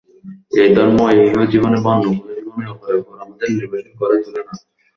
এই ধর্ম ইহজীবনে বা অন্য কোন জীবনে অপরের উপর আমাদের নির্ভরশীল করে তোলে না।